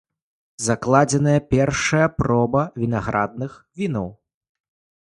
Закладзеная першая проба вінаградных вінаў.